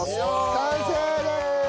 完成でーす！